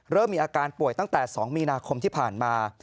เริ่มมีอาการป่วยตั้งแต่๒มีนาคมที่ผ่านมา